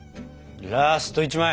ラスト１枚！